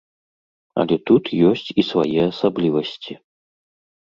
Але тут ёсць і свае асаблівасці.